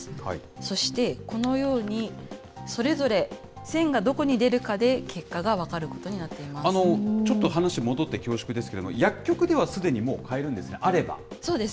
そして、このようにそれぞれ線がどこに出るかで、結果が分かることになっちょっと話戻って恐縮ですけれども、薬局ではすでにもう買えるんですね、あれば。